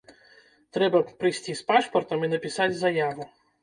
Трэба прыйсці з пашпартам і напісаць заяву.